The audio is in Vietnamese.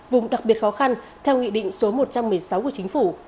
vùng đặc biệt khó khăn theo nghị định số một trăm một mươi sáu của chính phủ